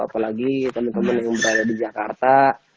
apalagi teman teman yang berada di jakarta